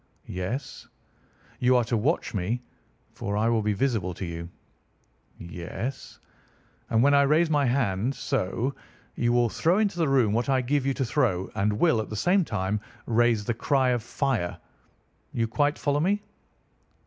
"Yes." "You are to watch me, for I will be visible to you." "Yes." "And when I raise my hand—so—you will throw into the room what I give you to throw, and will, at the same time, raise the cry of fire. You quite follow me?"